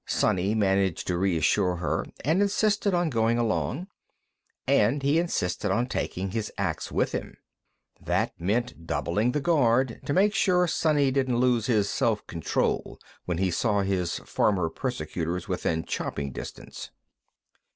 Sonny managed to reassure her, and insisted on going along, and he insisted on taking his ax with him. That meant doubling the guard, to make sure Sonny didn't lose his self control when he saw his former persecutors within chopping distance.